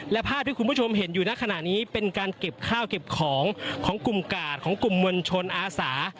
และภาพที่คุณผู้ชมเห็นอยู่ในขณะนี้เป็นการเก็บข้าวเก็บของของกลุ่มกาดของกลุ่มมวลชนอาสา